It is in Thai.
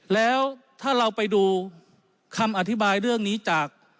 แล้วถ้าเราไปดูคำอธิบายเรื่องนี้จาก